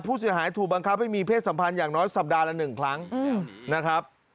ผู้เสียหายถูกบังคับให้มีเพศสัมพันธ์อย่างน้อยสัปดาห์ละ๑ครั้งนะครับ